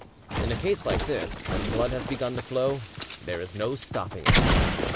In a case like this, when blood has begun to flow, there is no stopping it.